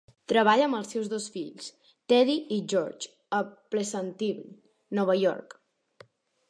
Treballa amb els seus dos fills, Teddy i George, a Pleasantville, Nova York.